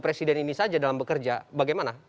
presiden ini saja dalam bekerja bagaimana